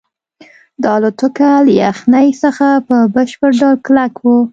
دا الوتکه له یخنۍ څخه په بشپړ ډول کلکه وه